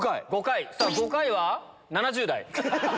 ５回は７０代。